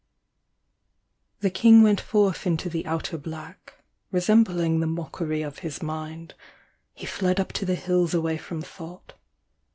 The King went forth into the outer black, Resembling the mockery of his mind, He fled up to the hills away from thought.